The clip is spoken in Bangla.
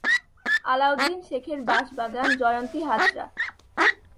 আলাউদ্দিন শেখ এর বাঁশ বাগান, জয়ন্তী হাজরা।